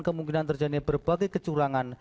kemungkinan terjadi berbagai kecurangan